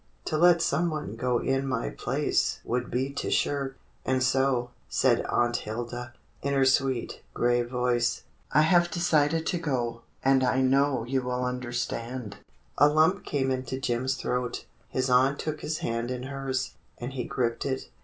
To let some one go in my place would be to shirk. And so," said Aunt Hilda, in her sweet, grave voice, " I have decided to go, and I know you will understand." A lump came into Jim's throat. His aunt took his hand in hers, and he gripped it.